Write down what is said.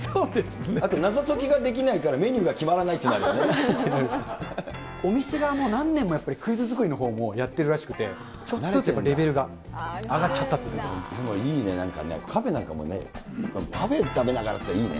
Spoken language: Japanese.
あと謎解きができないからメニューが決まらないというのもあお店側も、何年もやっぱりクイズ作りのほうもやってるらしくて、ちょっとずつレベルが上がっいいね、なんか、カフェなんかもね、パフェ食べながらっていいね。